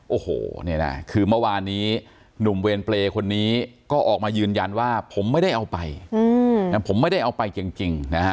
โอ้โหเนี่ยนะคือเมื่อวานนี้หนุ่มเวรเปรย์คนนี้ก็ออกมายืนยันว่าผมไม่ได้เอาไปผมไม่ได้เอาไปจริงนะฮะ